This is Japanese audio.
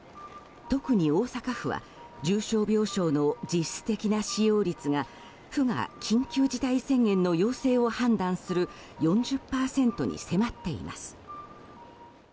特に大阪府は重症病床の実質的な使用率が府が緊急事態宣言の要請を判断する４０％に迫っています。